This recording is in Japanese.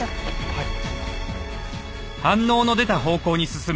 はい。